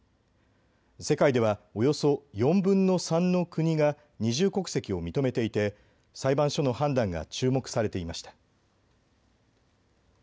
世界ではおよそ４分の３の国が二重国籍を認めていて裁判所の判断が注目されていました。